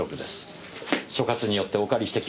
所轄に寄ってお借りしてきました。